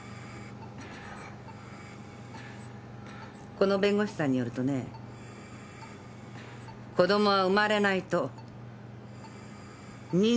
この弁護士さんによるとね子供は生まれないと認知もできないんだって。